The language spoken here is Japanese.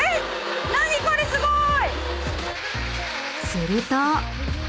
［すると］